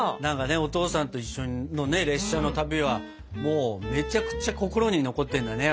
お父さんと一緒の列車の旅はもうめちゃくちゃ心に残ってるんだね。